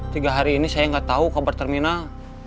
tiga hari ini saya gak tau kabar terminal